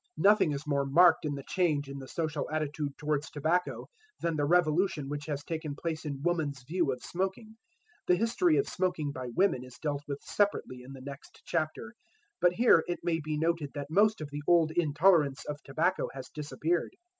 Nothing is more marked in the change in the social attitude towards tobacco than the revolution which has taken place in woman's view of smoking. The history of smoking by women is dealt with separately in the next chapter; but here it may be noted that most of the old intolerance of tobacco has disappeared.